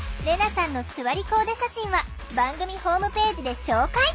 レナさんのすわりコーデ写真は番組ホームページで紹介。